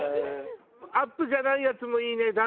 アップじゃないやつもいいね